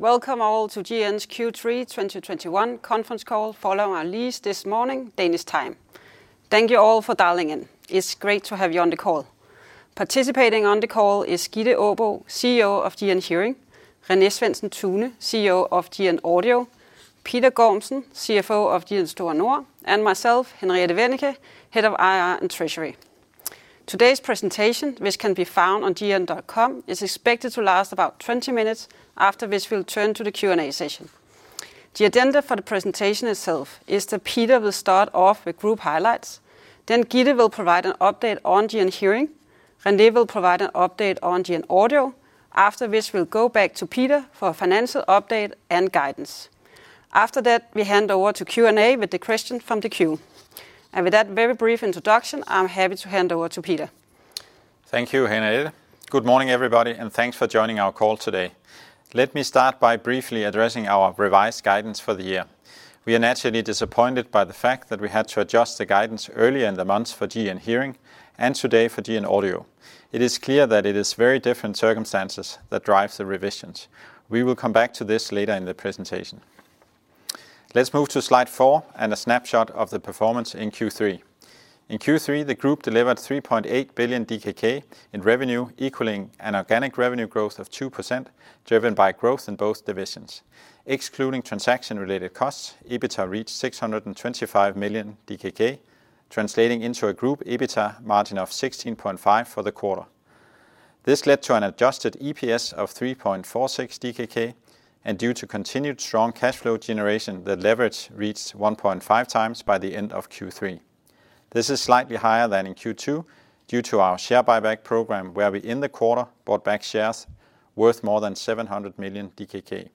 Welcome all to GN's Q3 2021 conference call following our release this morning, Danish time. Thank you all for dialing in. It's great to have you on the call. Participating on the call is Gitte Aabo, CEO of GN Hearing, René Svendsen-Tune, CEO of GN Audio, Peter Gormsen, CFO of GN Store Nord, and myself, Henriette Wennicke, Head of IR and Treasury. Today's presentation, which can be found on gn.com, is expected to last about 20 minutes, after which we'll turn to the Q&A session. The agenda for the presentation itself is that Peter will start off with group highlights, then Gitte will provide an update on GN Hearing, René will provide an update on GN Audio, after which we'll go back to Peter for a financial update and guidance. After that, we hand over to Q&A with the questions from the queue. With that very brief introduction, I'm happy to hand over to Peter. Thank you, Henriette. Good morning, everybody, and thanks for joining our call today. Let me start by briefly addressing our revised guidance for the year. We are naturally disappointed by the fact that we had to adjust the guidance earlier in the month for GN Hearing and today for GN Audio. It is clear that it is very different circumstances that drive the revisions. We will come back to this later in the presentation. Let's move to slide four and a snapshot of the performance in Q3. In Q3, the group delivered 3.8 billion DKK in revenue, equaling an organic revenue growth of 2%, driven by growth in both divisions. Excluding transaction-related costs, EBITDA reached 625 million DKK, translating into a group EBITDA margin of 16.5% for the quarter. This led to an adjusted EPS of 3.46 DKK, and due to continued strong cash flow generation, the leverage reached 1.5x by the end of Q3. This is slightly higher than in Q2 due to our share buyback program, where we in the quarter bought back shares worth more than 700 million DKK.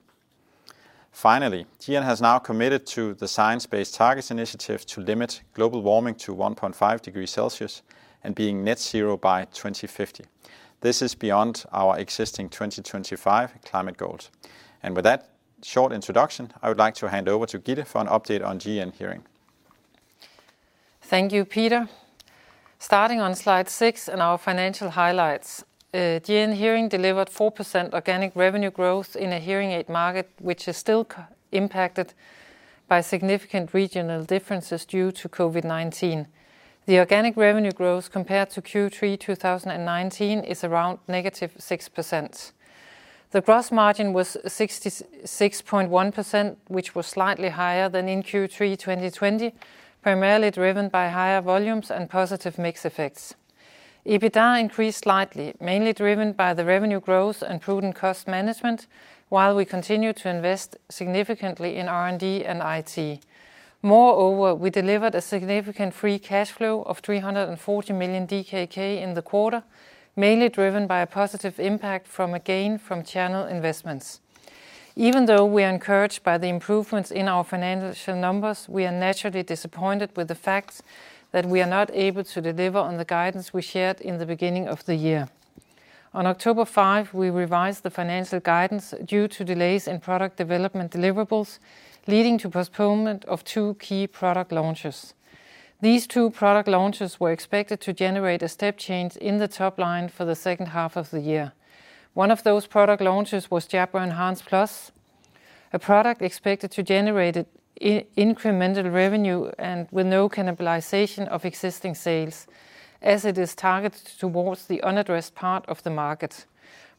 Finally, GN has now committed to the Science Based Targets initiative to limit global warming to 1.5 degrees Celsius and being net zero by 2050. This is beyond our existing 2025 climate goals. With that short introduction, I would like to hand over to Gitte for an update on GN Hearing. Thank you, Peter. Starting on slide six and our financial highlights. GN Hearing delivered 4% organic revenue growth in a hearing aid market which is still COVID-impacted by significant regional differences due to COVID-19. The organic revenue growth compared to Q3 2019 is around -6%. The gross margin was 6.1%, which was slightly higher than in Q3 2020, primarily driven by higher volumes and positive mix effects. EBITDA increased slightly, mainly driven by the revenue growth and prudent cost management, while we continue to invest significantly in R&D and IT. Moreover, we delivered a significant free cash flow of 340 million DKK in the quarter, mainly driven by a positive impact from a gain from channel investments. Even though we are encouraged by the improvements in our financial numbers, we are naturally disappointed with the fact that we are not able to deliver on the guidance we shared in the beginning of the year. On October 5th, we revised the financial guidance due to delays in product development deliverables, leading to postponement of two key product launches. These two product launches were expected to generate a step change in the top line for the H2 of the year. One of those product launches was Jabra Enhance Plus, a product expected to generate incremental revenue and with no cannibalization of existing sales, as it is targeted towards the unaddressed part of the market.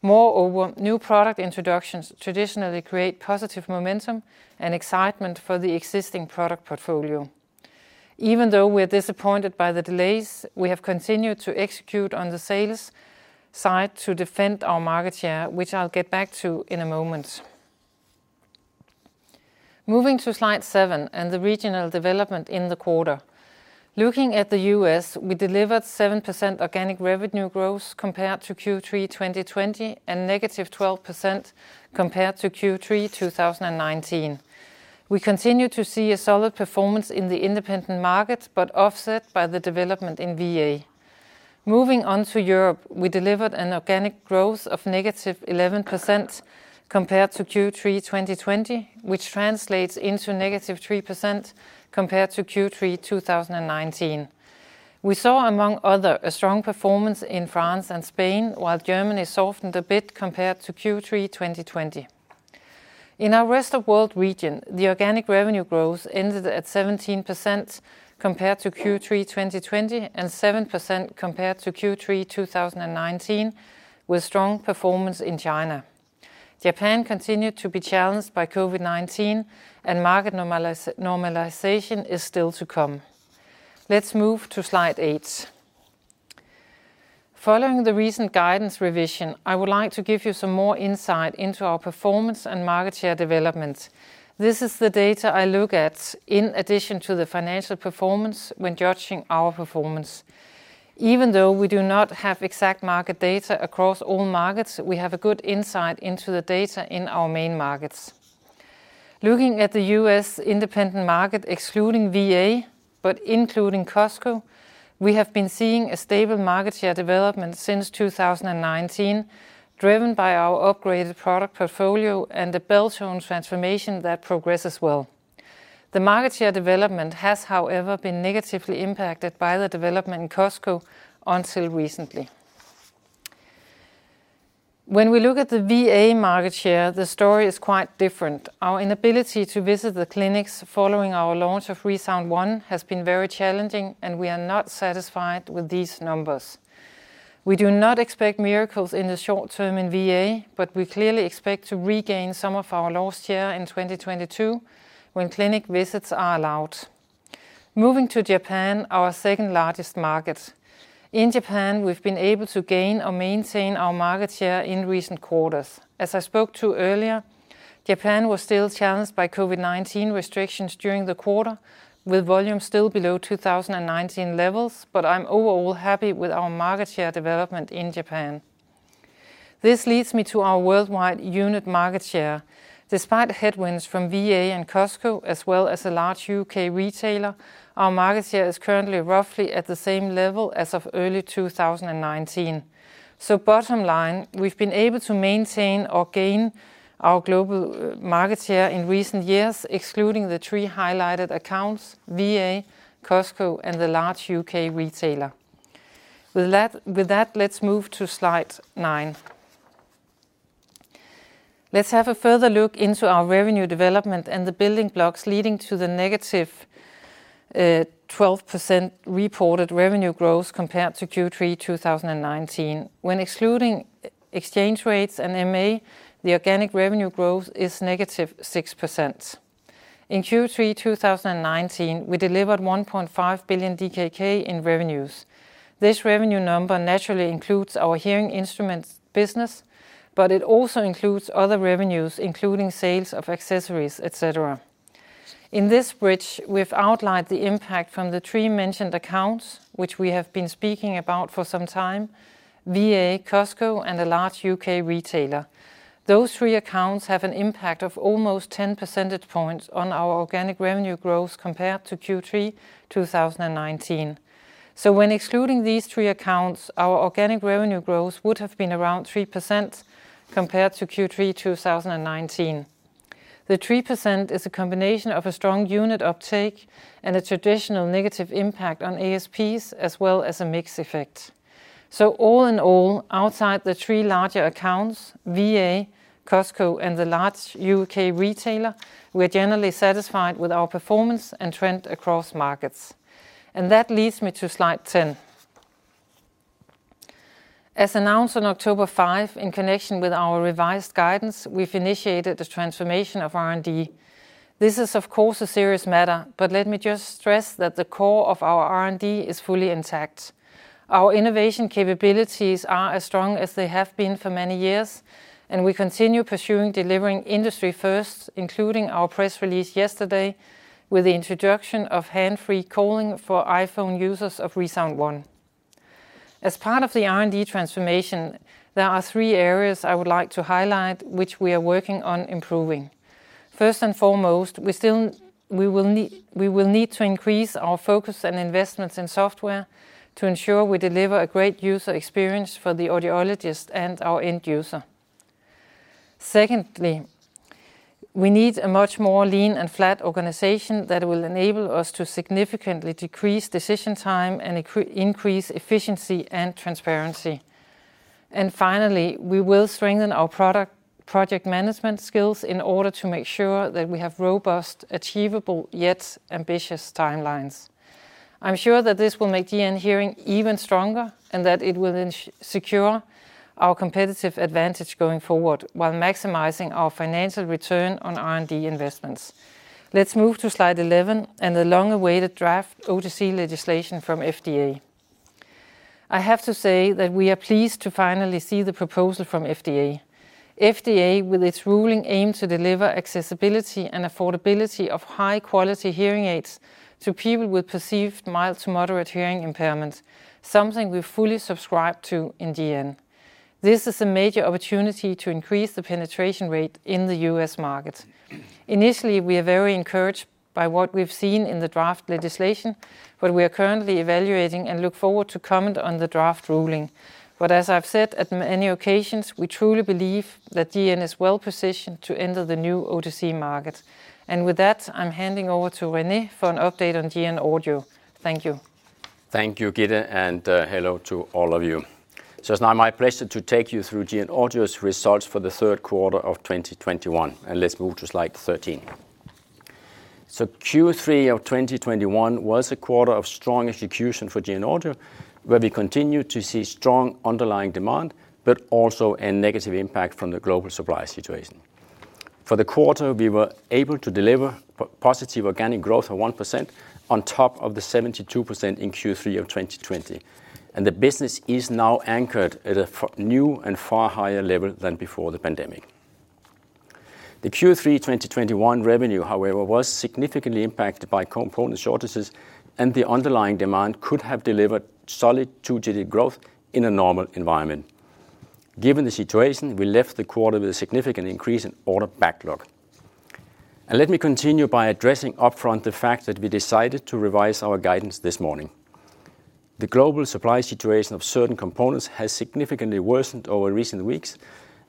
Moreover, new product introductions traditionally create positive momentum and excitement for the existing product portfolio. Even though we're disappointed by the delays, we have continued to execute on the sales side to defend our market share, which I'll get back to in a moment. Moving to slide seven and the regional development in the quarter. Looking at the U.S., we delivered 7% organic revenue growth compared to Q3 2020 and -12% compared to Q3 2019. We continue to see a solid performance in the independent market, but offset by the development in VA. Moving on to Europe, we delivered an organic growth of -11% compared to Q3 2020, which translates into -3% compared to Q3 2019. We saw, among other, a strong performance in France and Spain, while Germany softened a bit compared to Q3 2020. In our Rest of World region, the organic revenue growth ended at 17% compared to Q3 2020 and 7% compared to Q3 2019, with strong performance in China. Japan continued to be challenged by COVID-19, and market normalization is still to come. Let's move to slide eight. Following the recent guidance revision, I would like to give you some more insight into our performance and market share development. This is the data I look at in addition to the financial performance when judging our performance. Even though we do not have exact market data across all markets, we have a good insight into the data in our main markets. Looking at the U.S. independent market, excluding VA but including Costco, we have been seeing a stable market share development since 2019, driven by our upgraded product portfolio and the Beltone transformation that progresses well. The market share development has, however, been negatively impacted by the development in Costco until recently. When we look at the VA market share, the story is quite different. Our inability to visit the clinics following our launch of ReSound ONE has been very challenging, and we are not satisfied with these numbers. We do not expect miracles in the short term in VA, but we clearly expect to regain some of our lost share in 2022 when clinic visits are allowed. Moving to Japan, our second-largest market. In Japan, we've been able to gain or maintain our market share in recent quarters. As I spoke to earlier, Japan was still challenged by COVID-19 restrictions during the quarter, with volume still below 2019 levels, but I'm overall happy with our market share development in Japan. This leads me to our worldwide unit market share. Despite headwinds from VA and Costco as well as a large UK retailer, our market share is currently roughly at the same level as of early 2019. Bottom line, we've been able to maintain or gain our global market share in recent years, excluding the three highlighted accounts, VA, Costco, and the large UK retailer. With that, let's move to slide nine. Let's have a further look into our revenue development and the building blocks leading to the negative 12% reported revenue growth compared to Q3 2019. When excluding exchange rates and M&A, the organic revenue growth is -6%. In Q3 2019, we delivered 1.5 billion DKK in revenues. This revenue number naturally includes our hearing instruments business, but it also includes other revenues, including sales of accessories, et cetera. In this bridge, we've outlined the impact from the three mentioned accounts, which we have been speaking about for some time, VA, Costco, and a large U.K. retailer. Those three accounts have an impact of almost 10 percentage points on our organic revenue growth compared to Q3 2019. When excluding these three accounts, our organic revenue growth would have been around 3% compared to Q3 2019. The 3% is a combination of a strong unit uptake and a traditional negative impact on ASPs as well as a mix effect. All in all, outside the three larger accounts, VA, Costco, and the large U.K. retailer, we are generally satisfied with our performance and trend across markets. That leads me to slide 10. As announced on October 5th in connection with our revised guidance, we've initiated the transformation of R&D. This is of course a serious matter, but let me just stress that the core of our R&D is fully intact. Our innovation capabilities are as strong as they have been for many years, and we continue pursuing delivering industry firsts, including our press release yesterday with the introduction of hands-free calling for iPhone users of ReSound ONE. As part of the R&D transformation, there are three areas I would like to highlight which we are working on improving. First and foremost, we will need to increase our focus and investments in software to ensure we deliver a great user experience for the audiologist and our end user. Secondly, we need a much more lean and flat organization that will enable us to significantly decrease decision time and increase efficiency and transparency. Finally, we will strengthen our product, project management skills in order to make sure that we have robust, achievable, yet ambitious timelines. I'm sure that this will make GN Hearing even stronger and that it will secure our competitive advantage going forward while maximizing our financial return on R&D investments. Let's move to slide 11 and the long-awaited draft OTC legislation from FDA. I have to say that we are pleased to finally see the proposal from FDA. FDA, with its ruling, aim to deliver accessibility and affordability of high-quality hearing aids to people with perceived mild to moderate hearing impairment, something we fully subscribe to in GN. This is a major opportunity to increase the penetration rate in the U.S. market. Initially, we are very encouraged by what we've seen in the draft legislation, but we are currently evaluating and look forward to comment on the draft ruling. As I've said at many occasions, we truly believe that GN is well positioned to enter the new OTC market. With that, I'm handing over to René for an update on GN Audio. Thank you. Thank you, Gitte, and hello to all of you. It's now my pleasure to take you through GN Audio's results for the Q3 of 2021. Let's move to slide 13. Q3 of 2021 was a quarter of strong execution for GN Audio, where we continued to see strong underlying demand, but also a negative impact from the global supply situation. For the quarter, we were able to deliver positive organic growth of 1% on top of the 72% in Q3 of 2020, and the business is now anchored at a new and far higher level than before the pandemic. The Q3 2021 revenue, however, was significantly impacted by component shortages, and the underlying demand could have delivered solid two-digit growth in a normal environment. Given the situation, we left the quarter with a significant increase in order backlog. Let me continue by addressing upfront the fact that we decided to revise our guidance this morning. The global supply situation of certain components has significantly worsened over recent weeks,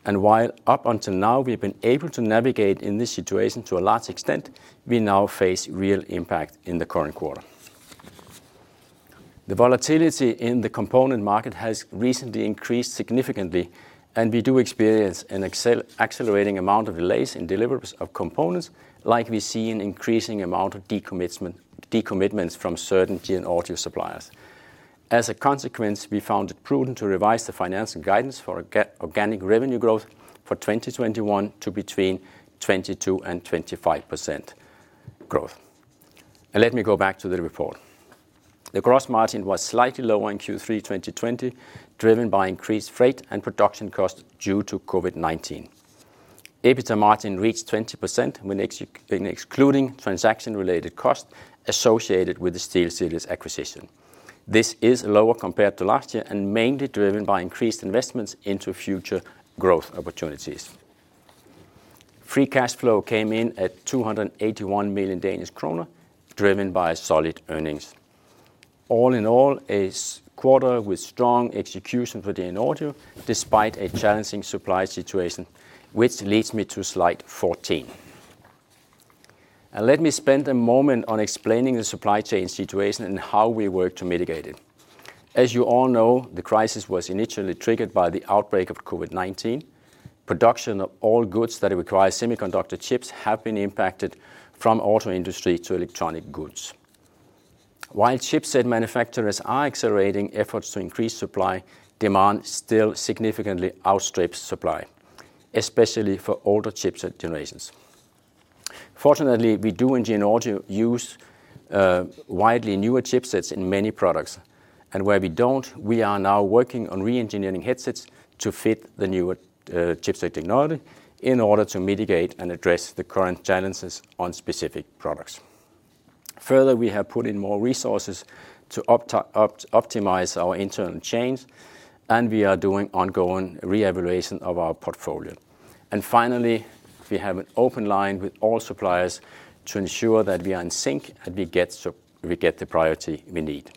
and while up until now we've been able to navigate in this situation to a large extent, we now face real impact in the current quarter. The volatility in the component market has recently increased significantly, and we do experience an accelerating amount of delays in deliveries of components like we see an increasing amount of decommitments from certain GN Audio suppliers. As a consequence, we found it prudent to revise the financial guidance for organic revenue growth for 2021 to between 22%-25% growth. Let me go back to the report. The gross margin was slightly lower in Q3 2020, driven by increased freight and production costs due to COVID-19. EBITDA margin reached 20% when excluding transaction-related costs associated with the SteelSeries acquisition. This is lower compared to last year and mainly driven by increased investments into future growth opportunities. Free cash flow came in at 281 million Danish kroner, driven by solid earnings. All in all, a strong quarter with strong execution for GN Audio despite a challenging supply situation, which leads me to slide 14. Let me spend a moment on explaining the supply chain situation and how we work to mitigate it. As you all know, the crisis was initially triggered by the outbreak of COVID-19. Production of all goods that require semiconductor chips have been impacted from auto industry to electronic goods. While chipset manufacturers are accelerating efforts to increase supply, demand still significantly outstrips supply, especially for older chipset generations. Fortunately, we do in GN Audio use widely newer chipsets in many products, and where we don't, we are now working on re-engineering headsets to fit the newer chipset technology in order to mitigate and address the current challenges on specific products. Further, we have put in more resources to optimize our supply chains, and we are doing ongoing reevaluation of our portfolio. Finally, we have an open line with all suppliers to ensure that we are in sync and we get the priority we need.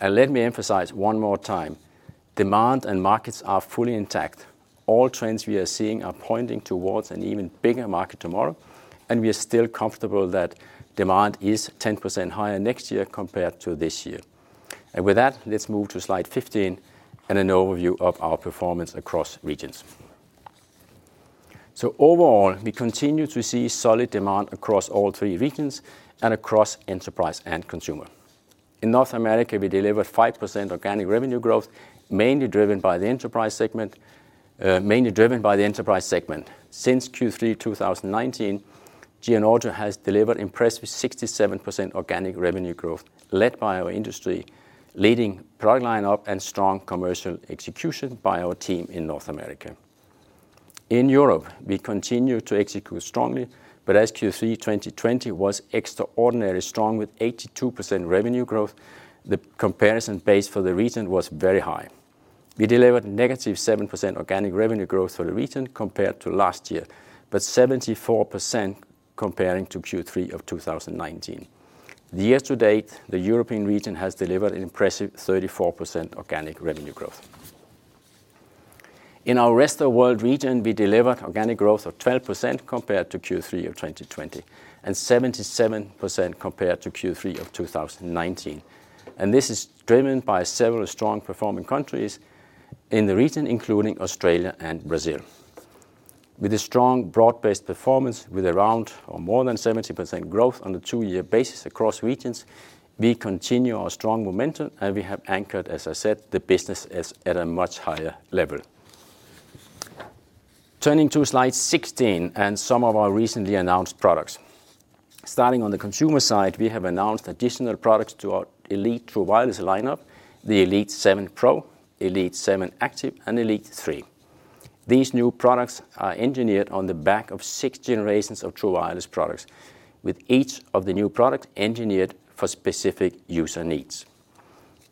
Let me emphasize one more time, demand and markets are fully intact. All trends we are seeing are pointing towards an even bigger market tomorrow, and we are still comfortable that demand is 10% higher next year compared to this year. With that, let's move to slide 15 and an overview of our performance across regions. Overall, we continue to see solid demand across all three regions and across enterprise and consumer. In North America, we delivered 5% organic revenue growth, mainly driven by the enterprise segment. Since Q3 2019, GN Audio has delivered impressive 67% organic revenue growth, led by our industry-leading product line-up and strong commercial execution by our team in North America. In Europe, we continue to execute strongly, but as Q3 2020 was extraordinarily strong with 82% revenue growth, the comparison base for the region was very high. We delivered -7% organic revenue growth for the region compared to last year, but 74% comparing to Q3 of 2019. The year to date, the European region has delivered an impressive 34% organic revenue growth. In our Rest of World region, we delivered organic growth of 12% compared to Q3 of 2020 and 77% compared to Q3 of 2019. This is driven by several strong performing countries in the region, including Australia and Brazil. With a strong broad-based performance with around or more than 70% growth on a two-year basis across regions, we continue our strong momentum, and we have anchored, as I said, the business as at a much higher level. Turning to slide 16 and some of our recently announced products. Starting on the consumer side, we have announced additional products to our Elite True Wireless lineup, the Elite 7 Pro, Elite 7 Active, and Elite 3. These new products are engineered on the back of six generations of True Wireless products, with each of the new products engineered for specific user needs.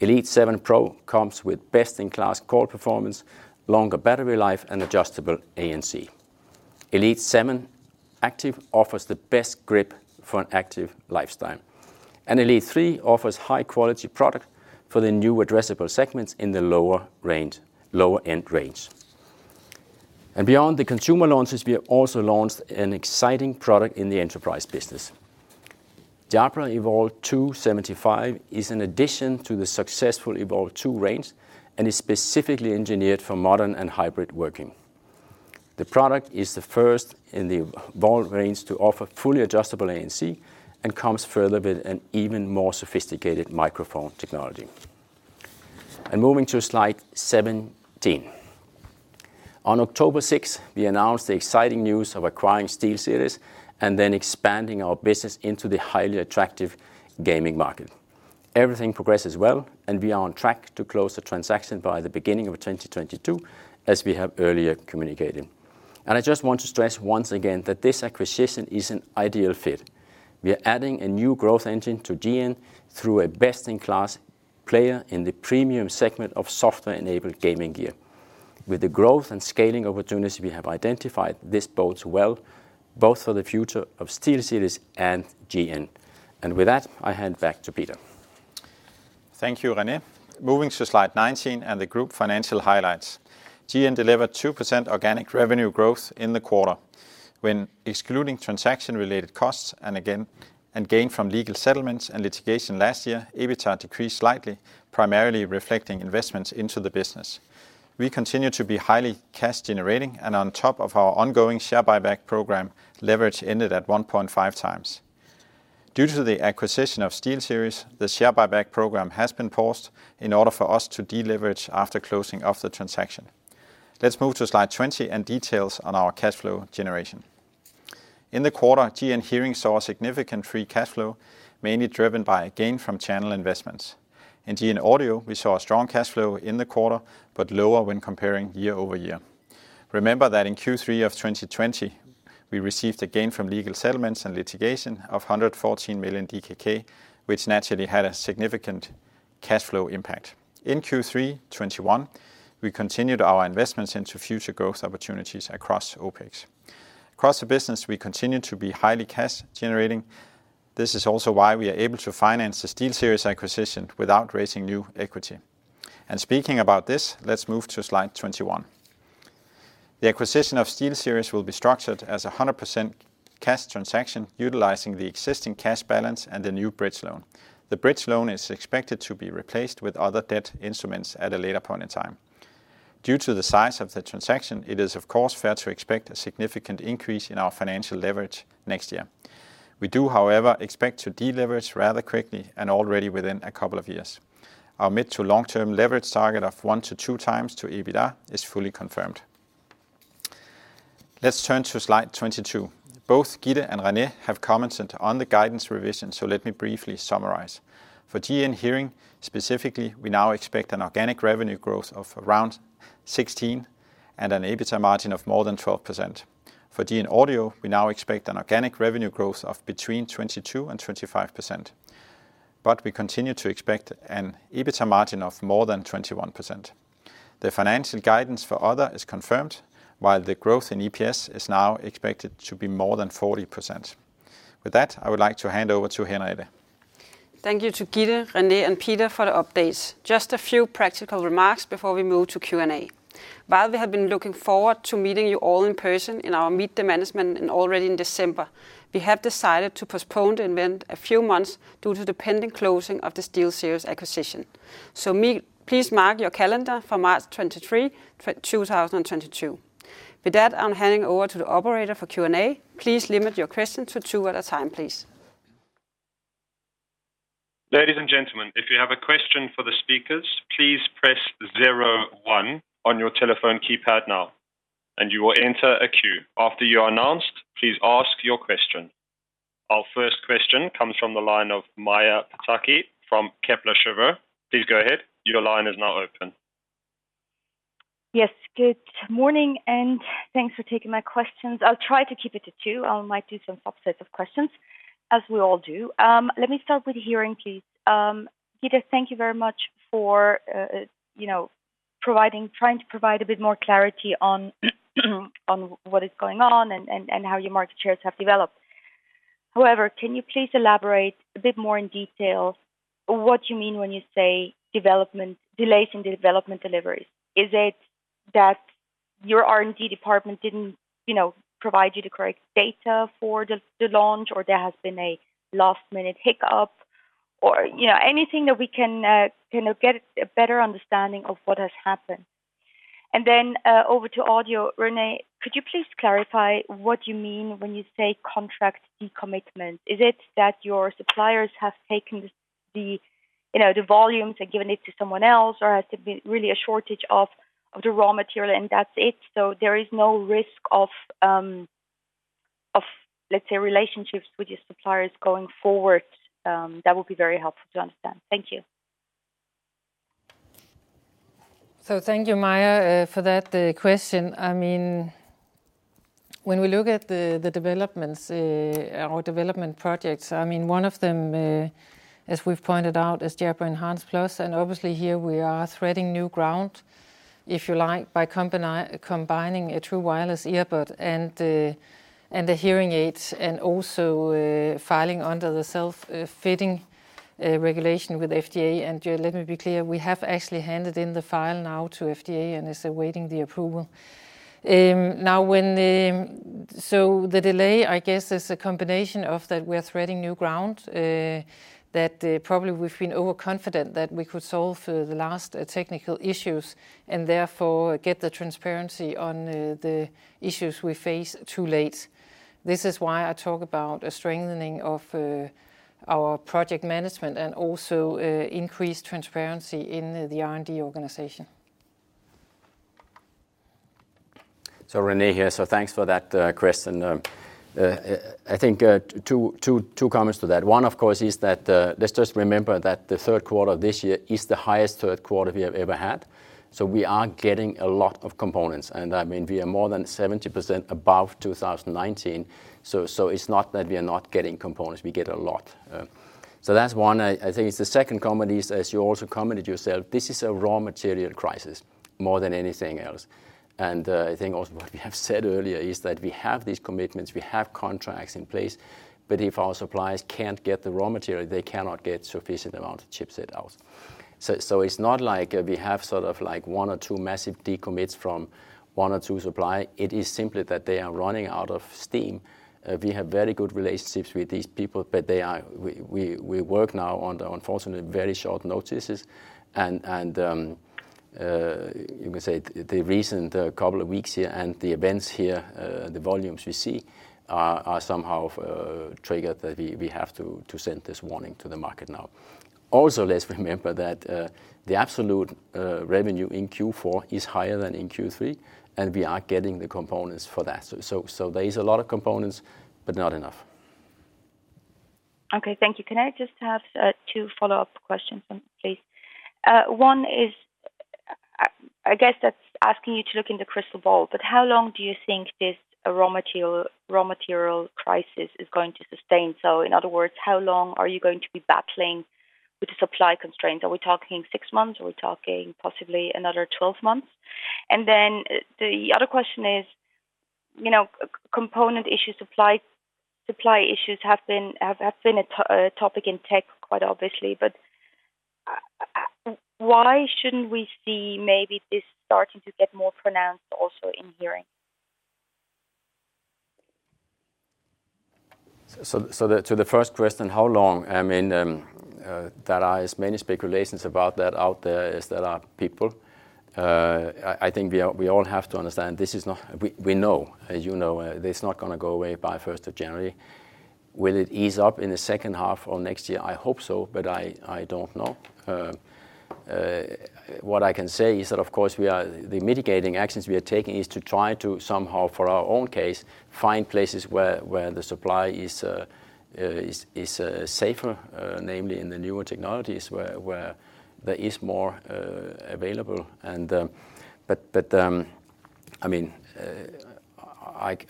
Elite 7 Pro comes with best-in-class call performance, longer battery life, and adjustable ANC. Elite 7 Active offers the best grip for an active lifestyle. Elite 3 offers high-quality product for the new addressable segments in the lower-end range. Beyond the consumer launches, we have also launched an exciting product in the enterprise business. Jabra Evolve2 75 is an addition to the successful Evolve2 range and is specifically engineered for modern and hybrid working. The product is the first in the Evolve range to offer fully adjustable ANC and comes further with an even more sophisticated microphone technology. Moving to slide 17. On October 6th, we announced the exciting news of acquiring SteelSeries and then expanding our business into the highly attractive gaming market. Everything progresses well, and we are on track to close the transaction by the beginning of 2022, as we have earlier communicated. I just want to stress once again that this acquisition is an ideal fit. We are adding a new growth engine to GN through a best-in-class player in the premium segment of software-enabled gaming gear. With the growth and scaling opportunities we have identified, this bodes well both for the future of SteelSeries and GN. With that, I hand back to Peter. Thank you, René. Moving to slide 19 and the group financial highlights. GN delivered 2% organic revenue growth in the quarter. When excluding transaction-related costs and a gain from legal settlements and litigation last year, EBITDA decreased slightly, primarily reflecting investments into the business. We continue to be highly cash generating and on top of our ongoing share buyback program, leverage ended at 1.5x. Due to the acquisition of SteelSeries, the share buyback program has been paused in order for us to deleverage after closing of the transaction. Let's move to slide 20 and details on our cash flow generation. In the quarter, GN Hearing saw a significant free cash flow, mainly driven by a gain from channel investments. In GN Audio, we saw a strong cash flow in the quarter, but lower when comparing year-over-year. Remember that in Q3 2020, we received a gain from legal settlements and litigation of 114 million DKK, which naturally had a significant cash flow impact. In Q3 2021, we continued our investments into future growth opportunities across OpEx. Across the business, we continue to be highly cash generating. This is also why we are able to finance the SteelSeries acquisition without raising new equity. Speaking about this, let's move to slide 21. The acquisition of SteelSeries will be structured as a 100% cash transaction utilizing the existing cash balance and the new bridge loan. The bridge loan is expected to be replaced with other debt instruments at a later point in time. Due to the size of the transaction, it is of course fair to expect a significant increase in our financial leverage next year. We do, however, expect to deleverage rather quickly and already within a couple of years. Our mid to long-term leverage target of 1x-2x EBITDA is fully confirmed. Let's turn to slide 22. Both Gitte and René have commented on the guidance revision, so let me briefly summarize. For GN Hearing, specifically, we now expect an organic revenue growth of around 16% and an EBITDA margin of more than 12%. For GN Audio, we now expect an organic revenue growth of between 22% and 25%, but we continue to expect an EBITDA margin of more than 21%. The financial guidance for Other is confirmed, while the growth in EPS is now expected to be more than 40%. With that, I would like to hand over to Henriette. Thank you to Gitte, René, and Peter for the updates. Just a few practical remarks before we move to Q&A. While we have been looking forward to meeting you all in person in our Meet the Management and already in December, we have decided to postpone the event a few months due to the pending closing of the SteelSeries acquisition. Please mark your calendar for March 23rd, 2022. With that, I'm handing over to the operator for Q&A. Please limit your questions to two at a time, please. Ladies and gentlemen, if you have a question for the speakers, please press zero one on your telephone keypad now, and you will enter a queue. After you are announced, please ask your question. Our first question comes from the line of Maja Pataki from Kepler Cheuvreux. Please go ahead. Your line is now open. Yes. Good morning, and thanks for taking my questions. I'll try to keep it to two. I might do some offshoots of questions, as we all do. Let me start with Hearing, please. Gitte, thank you very much for, you know, providing a bit more clarity on what is going on and how your market shares have developed. However, can you please elaborate a bit more in detail what you mean when you say delays in development deliveries? Is it that your R&D department didn't, you know, provide you the correct data for the launch, or there has been a last-minute hiccup? Or, you know, anything that we can get a better understanding of what has happened. Over to Audio. René, could you please clarify what you mean when you say contract decommitment? Is it that your suppliers have taken the, you know, the volumes and given it to someone else, or has there been really a shortage of the raw material and that's it? There is no risk of, let's say, relationships with your suppliers going forward. That would be very helpful to understand. Thank you. Thank you, Maja, for that question. I mean, when we look at the developments or development projects, I mean, one of them, as we've pointed out, is Jabra Enhance Plus. Obviously here we are treading new ground, if you like, by combining a true wireless earbud and a hearing aid and also filing under the self-fitting regulation with FDA. Yeah, let me be clear, we have actually handed in the file now to FDA, and it's awaiting the approval. The delay, I guess, is a combination of that we're treading new ground, that probably we've been overconfident that we could solve the last technical issues and therefore get the transparency on the issues we face too late. This is why I talk about a strengthening of our project management and also increased transparency in the R&D organization. René here. Thanks for that question. I think two comments to that. One, of course, is that let's just remember that the Q3 this year is the highest Q3 we have ever had. We are getting a lot of components, and I mean, we are more than 70% above 2019. It's not that we are not getting components, we get a lot. That's one. I think the second comment is, as you also commented yourself, this is a raw material crisis more than anything else. I think also what we have said earlier is that we have these commitments, we have contracts in place, but if our suppliers can't get the raw material, they cannot get sufficient amount of chipset out. It's not like we have sort of like one or two massive decommits from one or two supplier. It is simply that they are running out of steam. We have very good relationships with these people, but we work now on unfortunately very short notices. You can say the recent couple of weeks here and the events here, the volumes we see are somehow triggered that we have to send this warning to the market now. Also, let's remember that the absolute revenue in Q4 is higher than in Q3, and we are getting the components for that. There is a lot of components, but not enough. Okay, thank you. Can I just have two follow-up questions then, please? One is, I guess that's asking you to look in the crystal ball, but how long do you think this raw material crisis is going to sustain? In other words, how long are you going to be battling with the supply constraints? Are we talking six months? Are we talking possibly another 12 months? The other question is, you know, component issues, supply issues have been a topic in tech quite obviously, but why shouldn't we see maybe this starting to get more pronounced also in hearing? To the first question, how long? I mean, there are as many speculations about that out there as there are people. I think we all have to understand this is not. We know, as you know, that it's not gonna go away by 1st January. Will it ease up in the H2 or next year? I hope so, but I don't know. What I can say is that, of course, the mitigating actions we are taking is to try to somehow, for our own case, find places where the supply is safer, namely in the newer technologies where there is more available. I mean,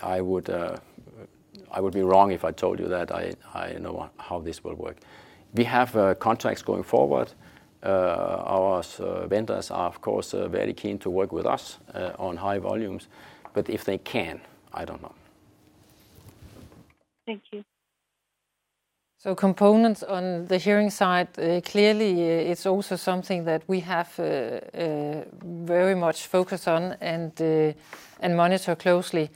I would be wrong if I told you that I know how this will work. We have contracts going forward. Our vendors are, of course, very keen to work with us on high volumes. If they can, I don't know. Thank you. Components on the hearing side, clearly it's also something that we have very much focus on and monitor closely.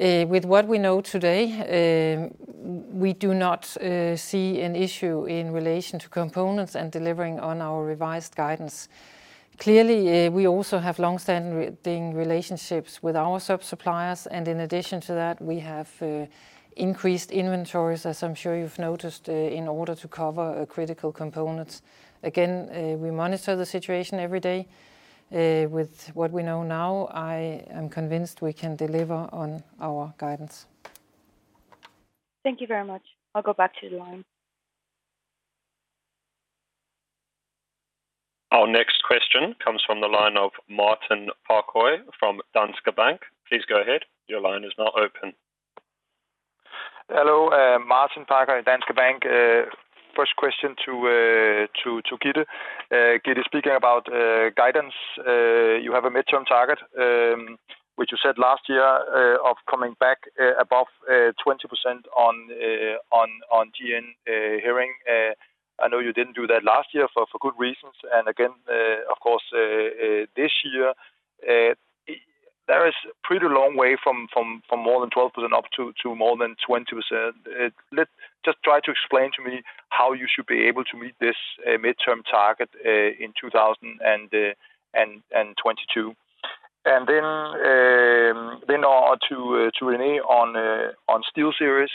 With what we know today, we do not see an issue in relation to components and delivering on our revised guidance. Clearly, we also have long-standing relationships with our sub-suppliers, and in addition to that, we have increased inventories, as I'm sure you've noticed, in order to cover critical components. Again, we monitor the situation every day. With what we know now, I am convinced we can deliver on our guidance. Thank you very much. I'll go back to the line. Our next question comes from the line of Martin Parkhøi from Danske Bank. Please go ahead. Your line is now open. Hello, Martin Parkhøi, Danske Bank. First question to Gitte. Gitte, speaking about guidance, you have a mid-term target, which you set last year, of coming back above 20% on GN Hearing. I know you didn't do that last year for good reasons. Of course, this year, there is a pretty long way from more than 12% up to more than 20%. Let's just try to explain to me how you should be able to meet this mid-term target in 2022. Then, to René on SteelSeries.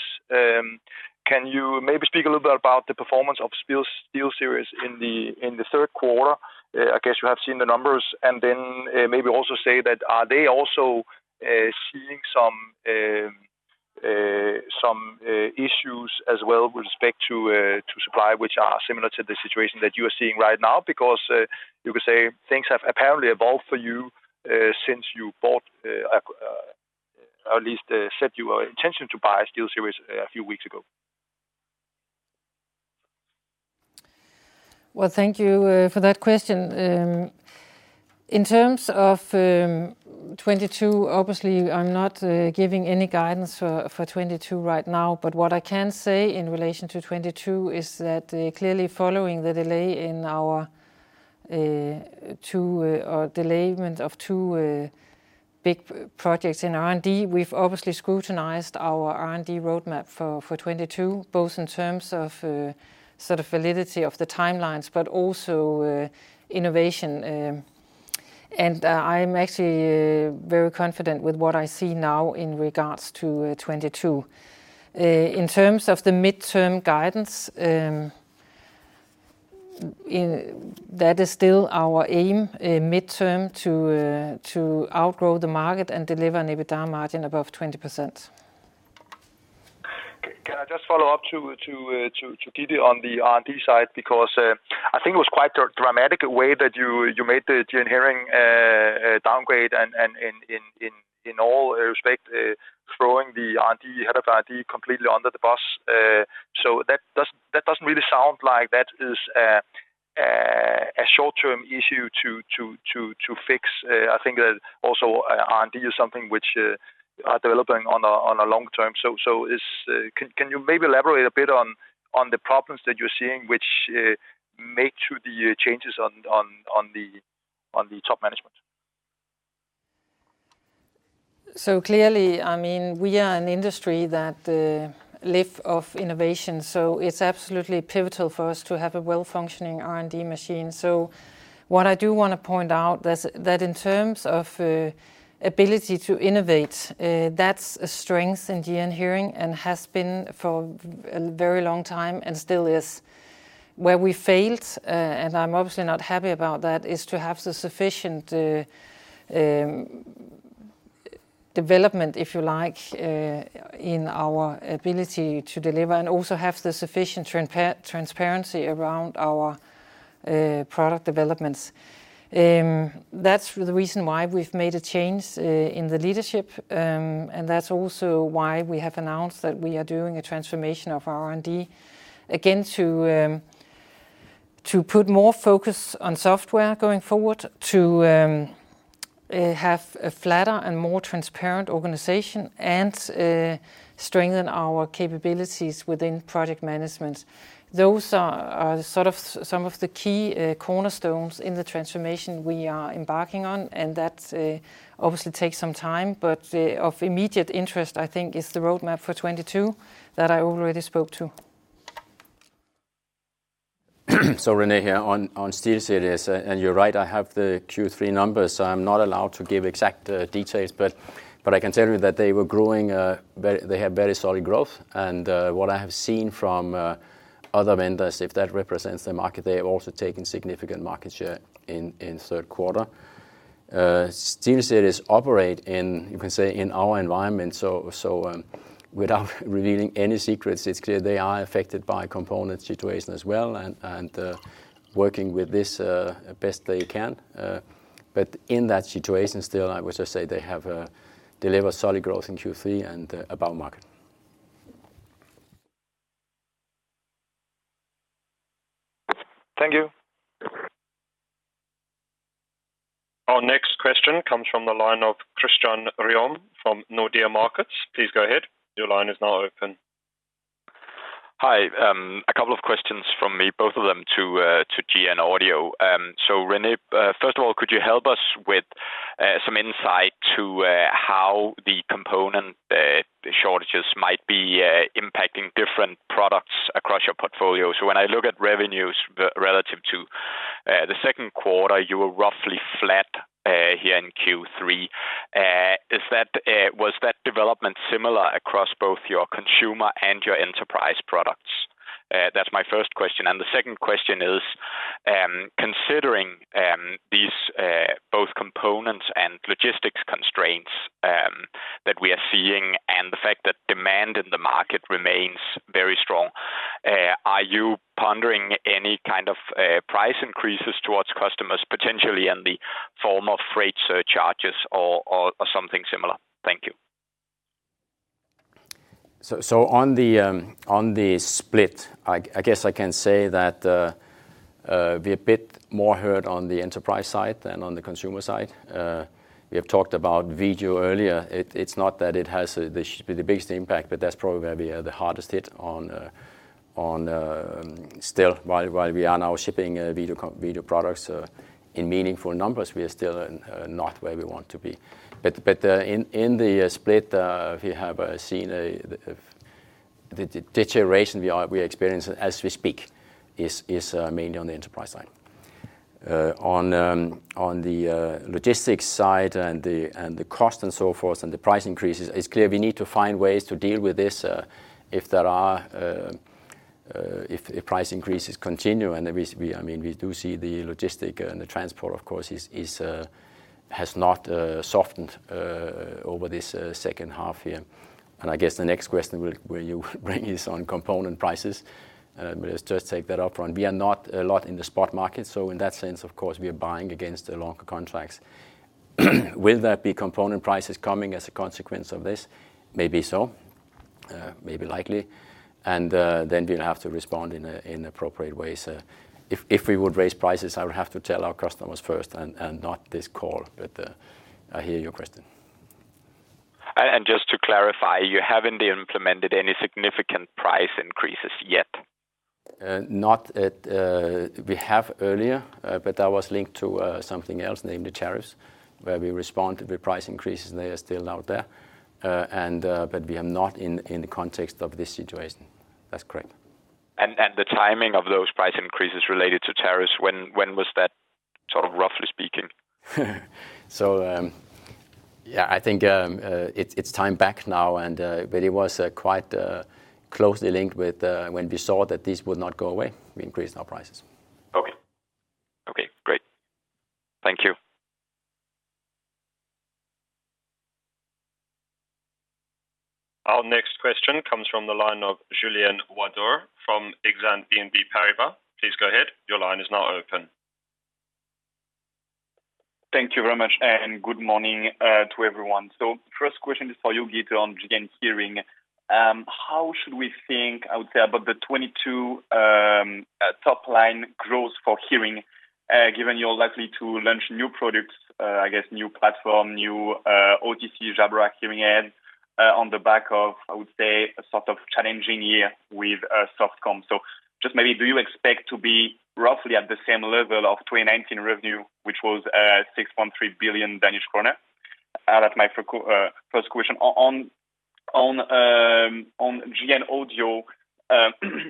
Can you speak a little bit about the performance of SteelSeries in the Q3? I guess you have seen the numbers. Maybe also, are they also seeing some issues as well with respect to supply, which are similar to the situation that you are seeing right now? Because you could say things have apparently evolved for you since you at least set your intention to buy SteelSeries a few weeks ago. Well, thank you for that question. In terms of 2022, obviously, I'm not giving any guidance for 2022 right now, but what I can say in relation to 2022 is that clearly following the delay or deferment of two big projects in R&D, we've obviously scrutinized our R&D roadmap for 2022, both in terms of sort of validity of the timelines, but also innovation. I'm actually very confident with what I see now in regards to 2022. In terms of the midterm guidance, that is still our aim midterm to outgrow the market and deliver an EBITDA margin above 20%. Can I just follow up to Gitte on the R&D side? Because I think it was quite a dramatic way that you made the GN Hearing downgrade and in all respect throwing the head of R&D completely under the bus. So that doesn't really sound like that is a short-term issue to fix. I think that also R&D is something which are developing on a long term. Can you maybe elaborate a bit on the problems that you're seeing which made you the changes on the top management team? Clearly, I mean, we are an industry that live off innovation, so it's absolutely pivotal for us to have a well-functioning R&D machine. What I do wanna point out that in terms of ability to innovate, that's a strength in GN Hearing and has been for a very long time and still is. Where we failed and I'm obviously not happy about that is to have the sufficient development, if you like, in our ability to deliver and also have the sufficient transparency around our product developments. That's the reason why we've made a change in the leadership, and that's also why we have announced that we are doing a transformation of R&D, again, to put more focus on software going forward, to have a flatter and more transparent organization, and strengthen our capabilities within project management. Those are sort of some of the key cornerstones in the transformation we are embarking on, and that obviously takes some time, but of immediate interest, I think, is the roadmap for 2022 that I already spoke to. René here on SteelSeries, and you're right. I have the Q3 numbers, so I'm not allowed to give exact details, but I can tell you that they were growing very. They had very solid growth. What I have seen from other vendors, if that represents the market, they have also taken significant market share in Q3. SteelSeries operate in, you can say, in our environment. Without revealing any secrets, it's clear they are affected by component situation as well and working with this best they can. In that situation, still, I would just say they have delivered solid growth in Q3 and above market. Thank you. Our next question comes from the line of Christian Ryom from Nordea Markets. Please go ahead. Your line is now open. Hi. A couple of questions from me, both of them to GN Audio. René, first of all, could you help us with some insight to how the component shortages might be impacting different products across your portfolio? When I look at revenues relative to the Q2, you were roughly flat here in Q3. Was that development similar across both your consumer and your enterprise products? That's my first question. The second question is, considering these both components and logistics constraints that we are seeing and the fact that demand in the market remains very strong, are you pondering any kind of price increases towards customers, potentially in the form of freight surcharges or something similar? Thank you. On the split, I guess I can say that we're a bit more hurt on the enterprise side than on the consumer side. We have talked about Video earlier. It's not that it has the biggest impact, but that's probably where we are the hardest hit on while we are now shipping Video products in meaningful numbers, we are still not where we want to be. In the split, we have seen a deterioration we experience as we speak is mainly on the enterprise side. On the logistics side and the cost and so forth and the price increases, it's clear we need to find ways to deal with this if price increases continue. I mean, we do see the logistics and the transport of course has not softened over this H2 year. I guess the next question you will bring is on component prices. Let's just take that up front. We are not a lot in the spot market, so in that sense, of course, we are buying against the longer contracts. Will there be component prices coming as a consequence of this? Maybe so. Maybe likely. Then we'll have to respond in appropriate ways. If we would raise prices, I would have to tell our customers first and not this call. I hear your question. Just to clarify, you haven't implemented any significant price increases yet? We have earlier, but that was linked to something else, namely tariffs, where we responded with price increases, and they are still out there. We are not in the context of this situation. That's correct. The timing of those price increases related to tariffs, when was that, sort of roughly speaking? Yeah, I think it's time back now, but it was quite closely linked with when we saw that this would not go away. We increased our prices. Okay. Okay, great. Thank you. Our next question comes from the line of Julien Ouaddour from Exane BNP Paribas. Please go ahead. Your line is now open. Thank you very much, and good morning to everyone. First question is for you, Gitte, on GN Hearing. How should we think out there about the 2022 top line growth for Hearing, given you're likely to launch new products, I guess new platform, new OTC Jabra hearing aid, on the back of, I would say, a sort of challenging year with soft comp? Just maybe do you expect to be, roughly at the same level of 2019 revenue, which was 6.3 billion Danish kroner. That's my first question. On GN Audio,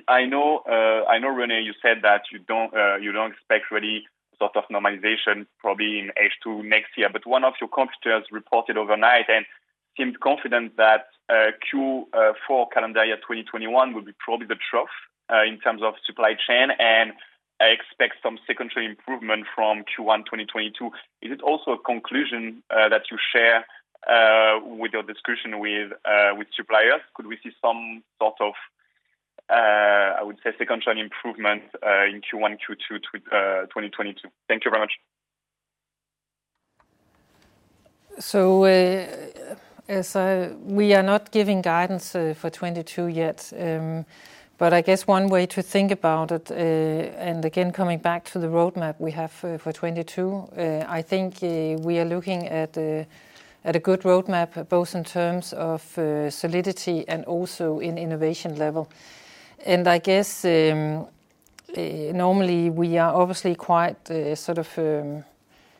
I know René, you said that you don't expect really sort of normalization probably in H2 next year. One of your competitors reported overnight and seemed confident that Q4 calendar year 2021 will be probably the trough in terms of supply chain, and expects some sequential improvement from Q1 2022. Is it also a conclusion that you share with your discussion with suppliers? Could we see some sort of, I would say sequential improvement, in Q1, Q2 2022? Thank you very much. We are not giving guidance for 2022 yet. I guess one way to think about it, and again, coming back to the roadmap we have for 2022, I think we are looking at a good roadmap, both in terms of solidity and also in innovation level. I guess normally we are obviously quite sort of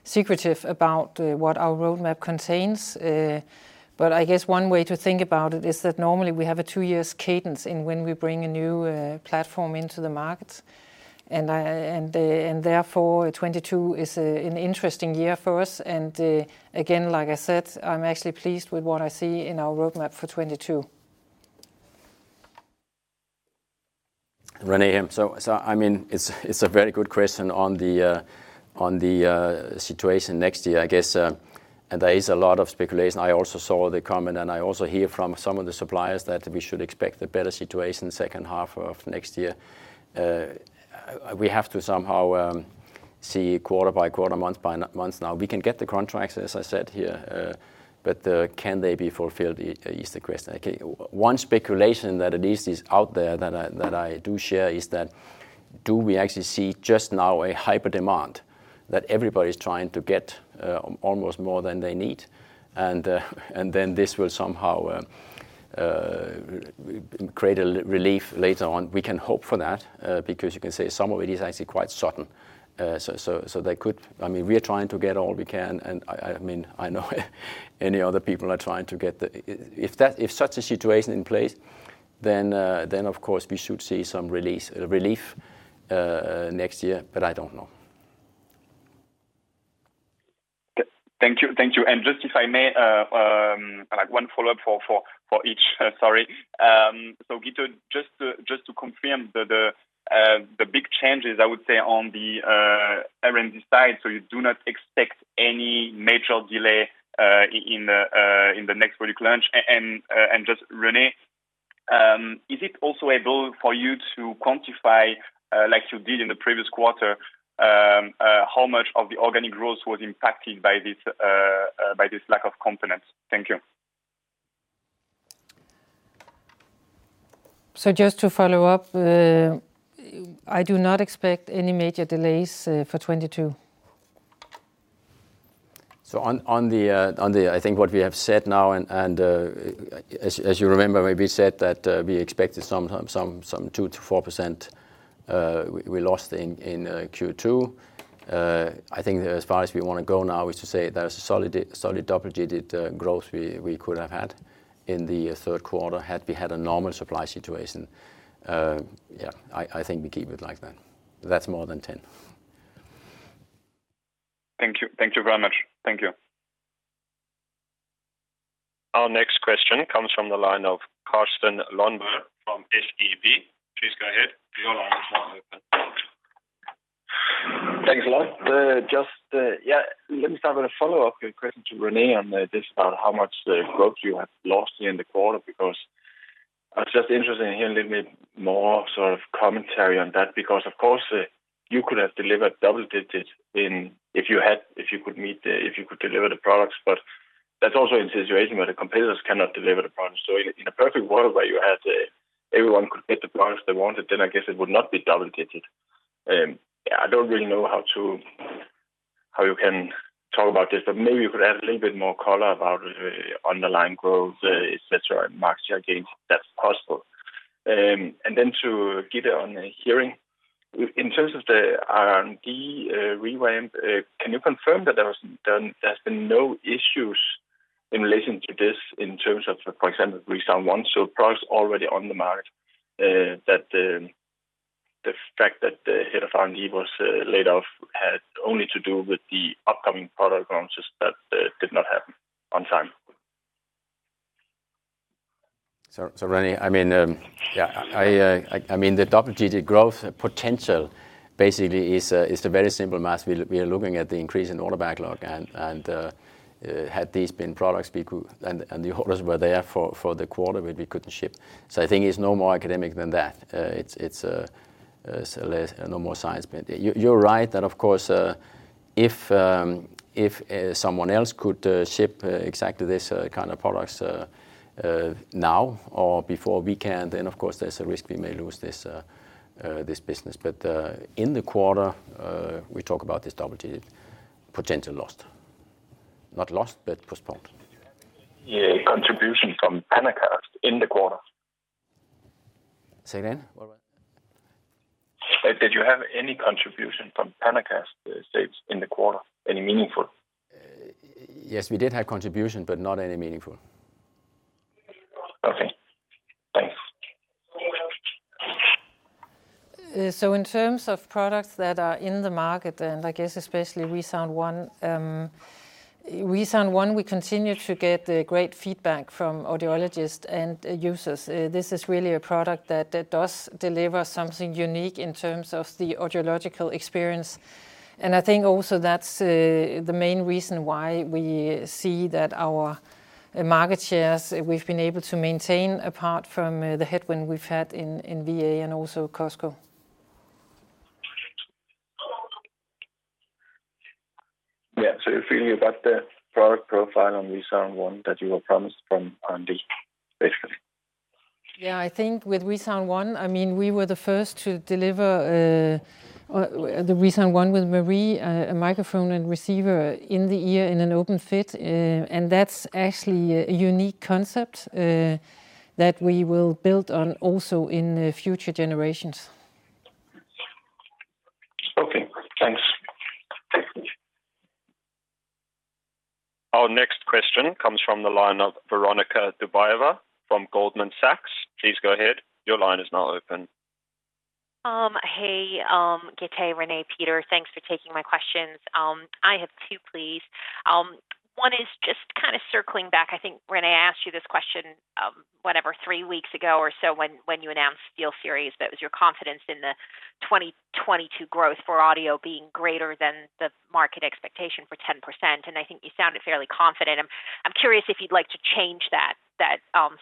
secretive about what our roadmap contains. I guess one way to think about it is that normally we have a two years cadence in when we bring a new platform into the market. Therefore 2022 is an interesting year for us. Again, like I said, I'm actually pleased with what I see in our roadmap for 2022. René here. I mean, it's a very good question on the situation next year. I guess, there is a lot of speculation. I also saw the comment, and I also hear from some of the suppliers that we should expect a better situation H2 of next year. We have to somehow see quarter by quarter, month by month now. We can get the contracts, as I said here, but can they be fulfilled is the question. Okay, one speculation that at least is out there that I do share is that do we actually see just now a hyper demand that everybody's trying to get almost more than they need? Then this will somehow create a relief later on. We can hope for that, because you can say some of it is actually quite certain. I mean, we are trying to get all we can, and I mean, I know, and other people are trying to get the. If such a situation in place, then of course we should see some relief next year, but I don't know. Thank you. Just if I may, like one follow-up for each, sorry. Gitte, just to confirm the big changes, I would say, on the R&D side, so you do not expect any major delay in the next product launch? And just René, is it also able for you to quantify, like you did in the previous quarter, how much of the organic growth was impacted by this lack of components? Thank you. Just to follow up, I do not expect any major delays for 2022. I think what we have said now and as you remember, we said that we expected some 2%-4% we lost in Q2. I think as far as we wanna go now is to say there's a solid double-digit growth we could have had in the Q3 had we had a normal supply situation. Yeah, I think we keep it like that. That's more than 10%. Thank you. Thank you very much. Thank you. Our next question comes from the line of Carsten Lønborg Madsen from SEB. Please go ahead. Your line is now open. Thanks a lot. Just, yeah, let me start with a follow-up question to René on this, about how much growth you have lost in the quarter, because I was just interested in hearing a little bit more sort of commentary on that. Of course, you could have delivered double digits if you could deliver the products. That's also a situation where the competitors cannot deliver the products. In a perfect world where everyone could get the products they wanted, then I guess it would not be double digits. I don't really know how you can talk about this, but maybe you could add a little bit more color about underlying growth, etc., and market share gains, if that's possible. To Gitte on hearing. In terms of the R&D revamp, can you confirm that there's been no issues in relation to this in terms of, for example, ReSound ONE, so products already on the market, that the fact that the head of R&D was laid off had only to do with the upcoming product launches that did not happen on time? René, I mean, the double-digit growth potential basically is the very simple math. We are looking at the increase in order backlog. The orders were there for the quarter, but we couldn't ship. I think it's no more academic than that. It's no more science. You're right that of course, if someone else could ship exactly this kind of products now or before we can, then of course there's a risk we may lose this business. In the quarter, we talk about this double-digit potential lost. Not lost, but postponed. Yeah, contribution from PanaCast in the quarter. Say again, what was? Did you have any contribution from PanaCast sales in the quarter? Any meaningful? Yes, we did have contribution, but not any meaningful. Okay. Thanks. In terms of products that are in the market, and I guess especially ReSound ONE, we continue to get great feedback from audiologists and users. This is really a product that does deliver something unique in terms of the audiological experience. I think also that's the main reason why we see that our market shares, we've been able to maintain apart from the headwind we've had in VA and also Costco. Yeah. You're feeling you got the product profile on ReSound ONE that you were promised from R&D, basically? Yeah. I think with ReSound ONE, I mean, we were the first to deliver the ReSound ONE with M&RIE, a microphone and receiver in the ear in an open fit. That's actually a unique concept that we will build on also in future generations. Okay, thanks. Our next question comes from the line of Veronika Dubajova from Goldman Sachs. Please go ahead. Your line is now open. Hey, Gitte, René, Peter, thanks for taking my questions. I have two, please. One is just kind of circling back. I think, René, I asked you this question three weeks ago or so when you announced SteelSeries, but it was your confidence in the 2022 growth for audio being greater than the market expectation for 10%. I think you sounded fairly confident. I'm curious if you'd like to change that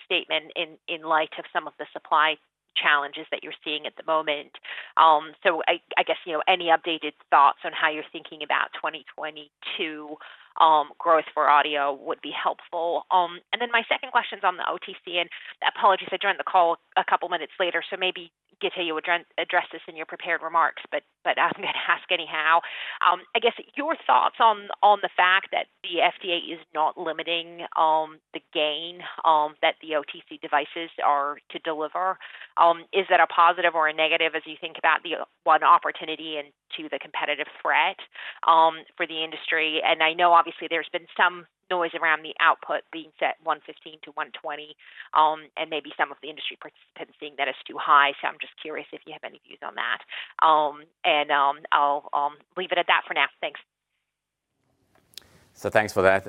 statement in light of some of the supply challenges that you're seeing at the moment. I guess, you know, any updated thoughts on how you're thinking about 2022 growth for Audio would be helpful. My second question is on the OTC. Apologies, I joined the call a couple minutes later, so maybe, Gitte, you addressed this in your prepared remarks, but I'm gonna ask anyhow. I guess your thoughts on the fact that the FDA is not limiting the gain that the OTC devices are to deliver, is that a positive or a negative as you think about the one, opportunity and two, the competitive threat for the industry? I know obviously there's been some noise around the output being set 115-120, and maybe some of the industry participants seeing that as too high. I'm just curious if you have any views on that. I'll leave it at that for now. Thanks. Thanks for that.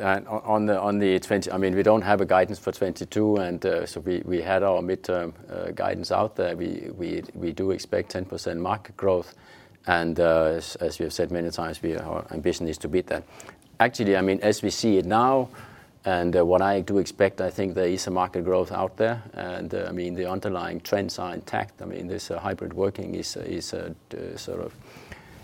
We don't have guidance for 2022, so we had our mid-term guidance out there, we do expect 10% market growth. As we have said many times, our ambition is to beat that. Actually, I mean, as we see it now, and what I do expect, I think there is a market growth out there. I mean, the underlying trends are intact. This hybrid working is sort of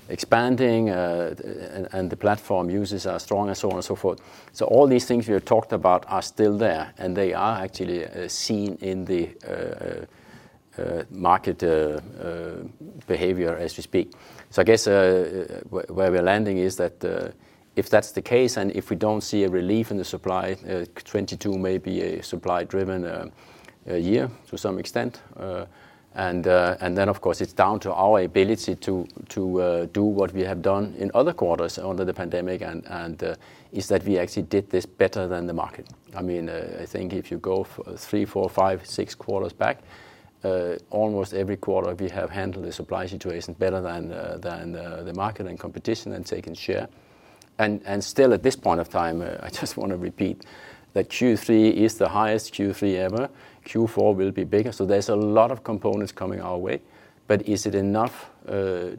expanding, and the platform users are strong and so on and so forth. All these things you talked about are still there, and they are actually seen in the market behavior as we speak. I guess where we're landing is that if that's the case, and if we don't see a relief in the supply, 2022 may be a supply-driven year to some extent. Of course, it's down to our ability to do what we have done in other quarters under the pandemic and that we actually did this better than the market. I mean, I think if you go three, four, five, six quarters back, almost every quarter we have handled the supply situation better than the market and competition and taken share. Still at this point of time, I just wanna repeat that Q3 is the highest Q3 ever. Q4 will be bigger. There's a lot of components coming our way, but is it enough to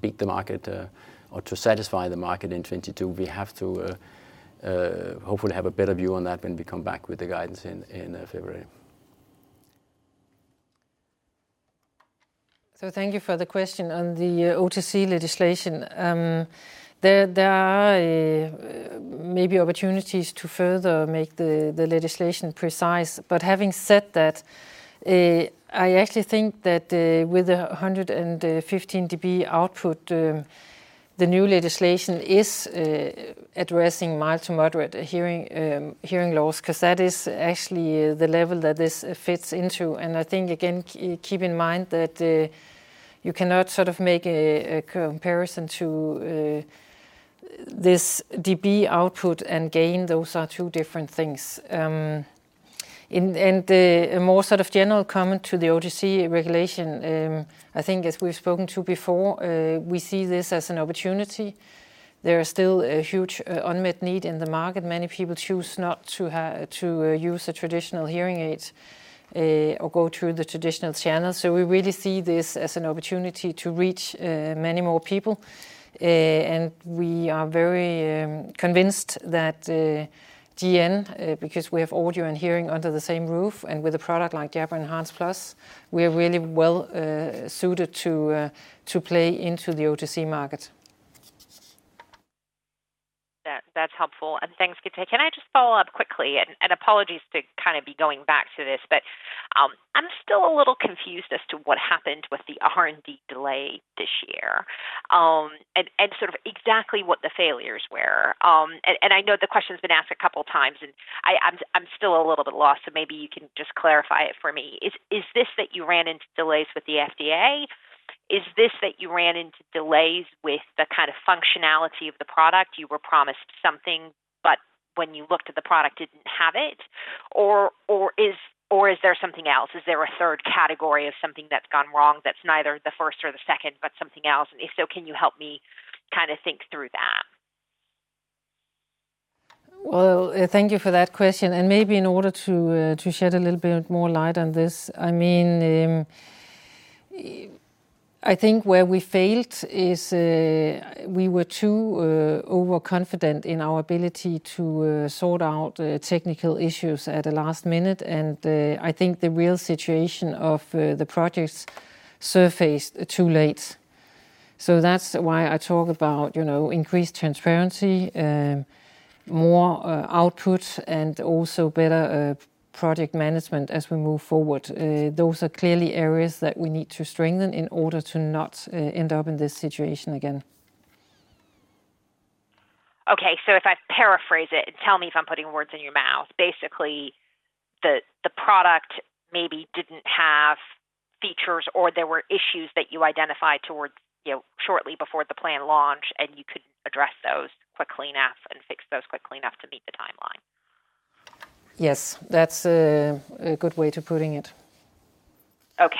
beat the market or to satisfy the market in 2022? We have to hopefully have a better view on that when we come back with the guidance in February. Thank you for the question. On the OTC legislation, there are maybe opportunities to further make the legislation precise. But having said that, I actually think that with the 115 dB output, the new legislation is addressing mild to moderate hearing loss, 'cause that is actually the level that this fits into. I think, again, keep in mind that you cannot sort of make a comparison to this dB output and gain. Those are two different things. A more sort of general comment to the OTC regulation, I think as we've spoken to before, we see this as an opportunity. There is still a huge unmet need in the market. Many people choose not to use a traditional hearing aid or go through the traditional channel. We really see this as an opportunity to reach many more people. We are very convinced that GN, because we have audio and hearing under the same roof and with a product like Jabra Enhance Plus, we are really well suited to play into the OTC market. That's helpful. Thanks, Gitte. Can I just follow up quickly, and apologies to kind of be going back to this, but I'm still a little confused as to what happened with the R&D delay this year. Sort of exactly what the failures were. I know the question's been asked a couple times, and I'm still a little bit lost, so maybe you can just clarify it for me. Is this that you ran into delays with the FDA? Is this that you ran into delays with the kind of functionality of the product, you were promised something, but when you looked at the product, didn't have it? Or is there something else? Is there a third category of something that's gone wrong that's neither the first or the second, but something else? If so, can you help me kind of think through that? Well, thank you for that question. Maybe in order to shed a little bit more light on this, I mean, I think where we failed is we were too overconfident in our ability to sort out technical issues at the last minute. I think the real situation of the projects surfaced too late. That's why I talk about, you know, increased transparency, more output, and also better project management as we move forward. Those are clearly areas that we need to strengthen in order to not end up in this situation again. Okay. If I paraphrase it, and tell me if I'm putting words in your mouth, basically the product maybe didn't have features or there were issues that you identified toward, you know, shortly before the planned launch, and you couldn't address those quickly enough and fix those quickly enough to meet the timeline. Yes. That's a good way of putting it. Okay.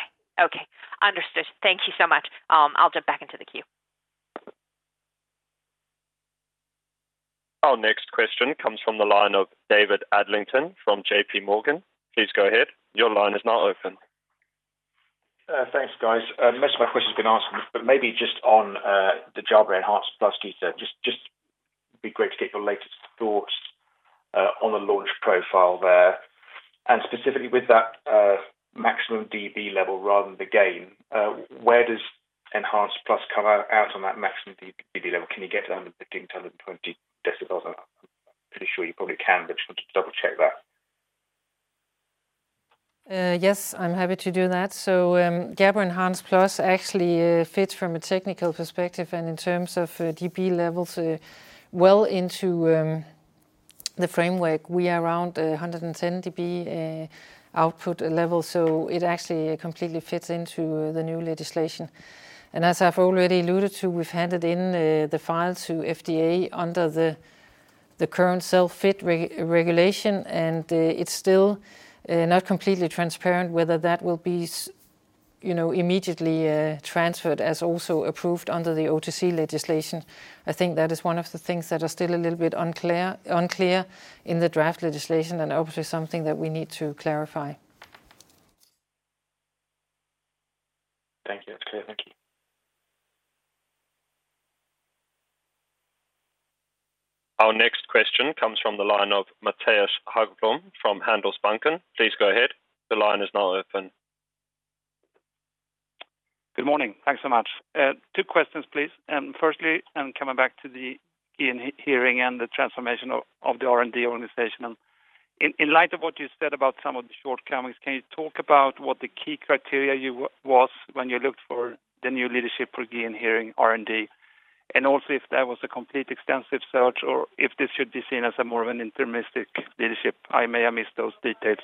Understood. Thank you so much. I'll jump back into the queue. Our next question comes from the line of David Adlington from JPMorgan. Please go ahead. Your line is now open. Thanks, guys. Most of my questions have been asked, but maybe just on the Jabra Enhance Plus feature. It would just be great to get your latest thoughts on the launch profile there. Specifically with that, maximum dB level rather than the gain, where does Enhance Plus come out on that maximum dB level? Can you get to 115-120 decibels? I'm pretty sure you probably can, but just want to double-check that. Yes, I'm happy to do that. Jabra Enhance Plus actually fits from a technical perspective and in terms of dB levels well into the framework. We are around 110 dB output level, so it actually completely fits into the new legislation. As I've already alluded to, we've handed in the file to FDA under the current self-fitting regulation, and it's still not completely transparent whether that will be, you know, immediately transferred as also approved under the OTC legislation. I think that is one of the things that are still a little bit unclear in the draft legislation and obviously something that we need to clarify. Thank you. That's clear. Thank you. Our next question comes from the line of Mattias Häggblom from Handelsbanken. Please go ahead. The line is now open. Good morning. Thanks so much. Two questions, please. Firstly, coming back to the hearing and the transformation of the R&D organization. In light of what you said about some of the shortcomings, can you talk about what the key criteria you was when you looked for the new leadership for hearing R&D? And also if that was a complete extensive search or if this should be seen as more of an interim leadership. I may have missed those details.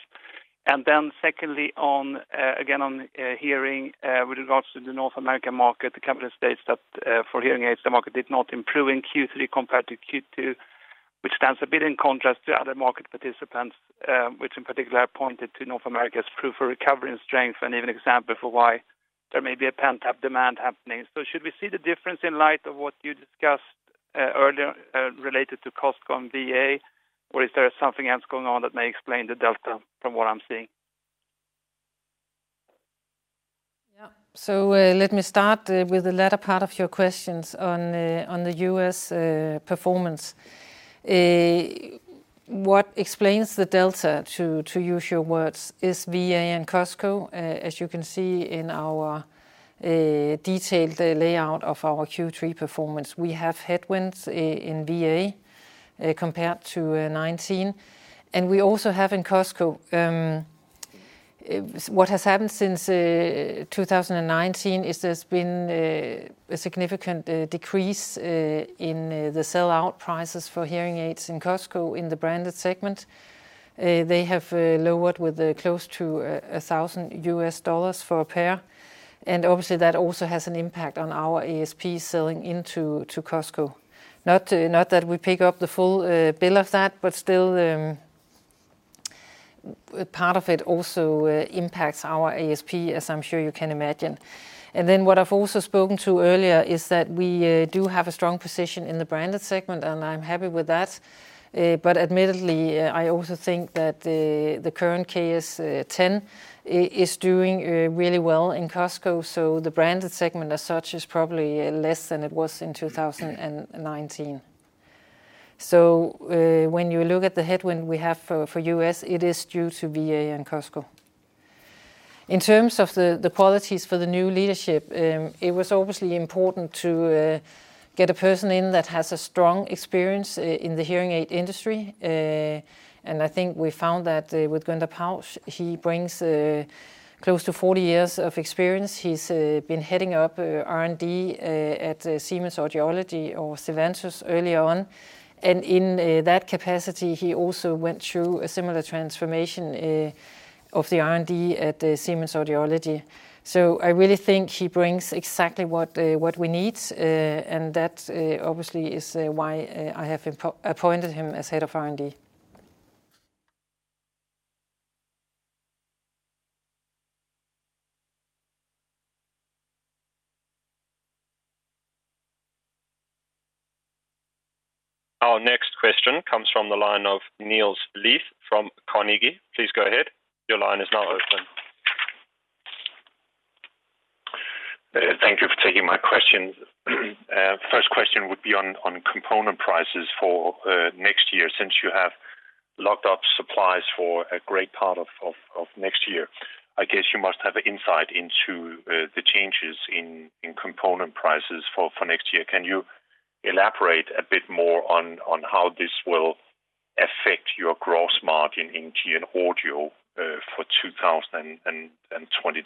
Secondly, on hearing, with regards to the North American market, the company states that for hearing aids, the market did not improve in Q3 compared to Q2, which stands a bit in contrast to other market participants, which in particular pointed to North America's proof of recovery and strength, and even example for why there may be a pent-up demand happening. Should we see the difference in light of what you discussed earlier, related to Costco and VA, or is there something else going on that may explain the delta from what I'm seeing? Yeah. Let me start with the latter part of your questions on the U.S. performance. What explains the delta, to use your words, is VA and Costco. As you can see in our detailed layout of our Q3 performance, we have headwinds in VA compared to 2019, and we also have in Costco. What has happened since 2019 is there's been a significant decrease in the sell-out prices for hearing aids in Costco in the branded segment. They have lowered with close to $1,000 for a pair, and obviously, that also has an impact on our ASP selling into Costco. Not that we pick up the full bill of that, but still, part of it also impacts our ASP, as I'm sure you can imagine. Then what I've also spoken to earlier is that we do have a strong position in the branded segment, and I'm happy with that. But admittedly, I also think that the current KS 10 is doing really well in Costco, so the branded segment as such is probably less than it was in 2019. When you look at the headwind we have for U.S., it is due to VA and Costco. In terms of the qualities for the new leadership, it was obviously important to get a person in that has a strong experience in the hearing aid industry. I think we found that with Günther Pausch. He brings close to 40 years of experience. He's been heading up R&D at Siemens Audiology or Sivantos early on. In that capacity, he also went through a similar transformation of the R&D at the Siemens Audiology. I really think he brings exactly what we need. That obviously is why I have appointed him as head of R&D. Our next question comes from the line of Niels Granholm-Leth from Carnegie. Please go ahead. Your line is now open. Thank you for taking my question. First question would be on component prices for next year. Since you have locked up supplies for a great part of next year, I guess you must have insight into the changes in component prices for next year. Can you elaborate a bit more on how this will affect your gross margin in GN Audio for 2022?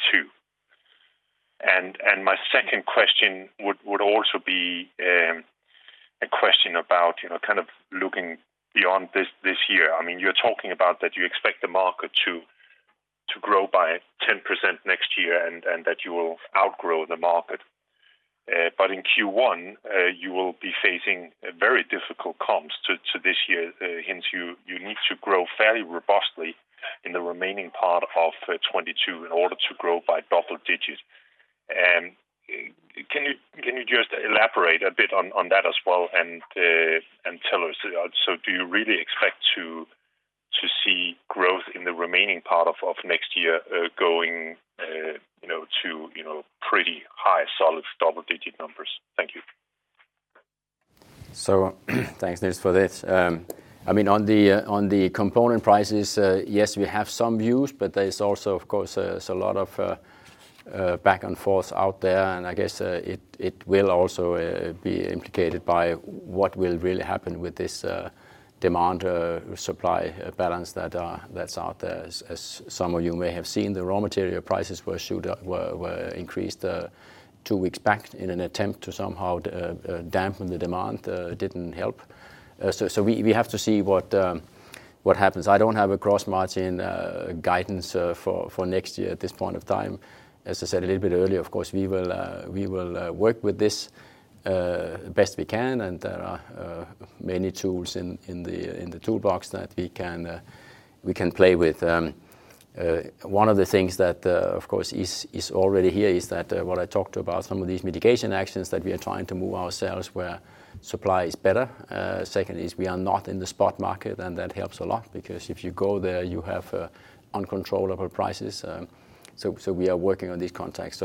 My second question would also be a question about, you know, kind of looking beyond this year. I mean, you're talking about that you expect the market to grow by 10% next year and that you will outgrow the market. In Q1, you will be facing a very difficult comps to this year. Hence you need to grow fairly robustly in the remaining part of 2022 in order to grow by double digits. Can you just elaborate a bit on that as well and tell us, so do you really expect to see growth in the remaining part of next year, going, you know, to, you know, pretty high, solid double-digit numbers? Thank you. Thanks, Niels, for this. I mean, on the component prices, yes, we have some views, but there's also, of course, a lot of back and forth out there. I guess it will also be implicated by what will really happen with this demand supply balance that's out there. As some of you may have seen, the raw material prices were increased two weeks back in an attempt to somehow dampen the demand. Didn't help. We have to see what happens. I don't have a gross margin guidance for next year at this point of time. As I said a little bit earlier, of course, we will work with this best we can, and there are many tools in the toolbox that we can play with. One of the things that, of course, is already here is that, what I talked about, some of these mitigation actions that we are trying to move ourselves where supply is better. Second is we are not in the spot market, and that helps a lot because if you go there, you have uncontrollable prices. We are working on these contracts.